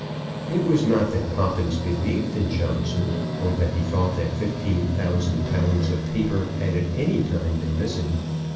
It was not that Poppins believed in Johnson, or that he thought that 15,000_l._ of paper had at any time been missing.